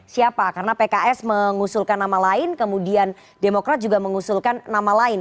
siapa karena pks mengusulkan nama lain kemudian demokrat juga mengusulkan nama lain